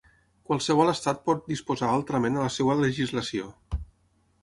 Qualsevol estat pot disposar altrament a la seva legislació.